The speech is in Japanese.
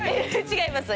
違います